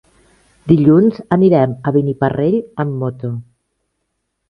Dilluns anirem a Beniparrell amb moto.